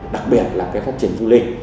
đặc biệt là cái phát triển du lịch